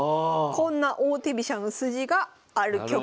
こんな王手飛車の筋がある局面でした。